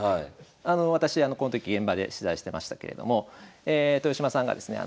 私この時現場で取材してましたけれども豊島さんがですね